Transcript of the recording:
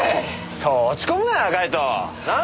そう落ち込むなよカイト。なあ？